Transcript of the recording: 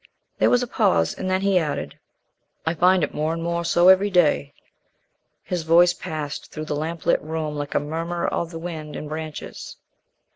There was a pause, and then he added: "I find it more and more so every day." His voice passed through the lamp lit room like a murmur of the wind in branches.